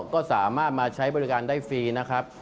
ก็สามารถมาใช้บริการได้ฟรีนะครับ